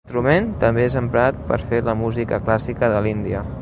L'instrument, també és emprat per fer la música clàssica de l'Índia.